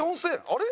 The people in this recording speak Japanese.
あれ？